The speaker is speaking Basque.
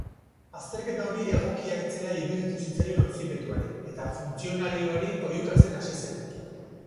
Azterketa hori egokia ez zela iruditu zitzaion auzipetuari eta funtzionarioari oihukatzen hasi zen.